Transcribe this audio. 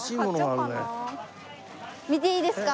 見ていいですか？